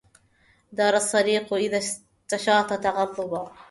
دار الصديق إذا استشاط تغضبا